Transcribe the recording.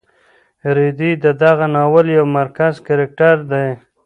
رېدی د دغه ناول یو مرکزي کرکټر دی.